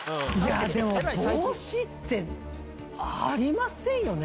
でも帽子ってありませんよね？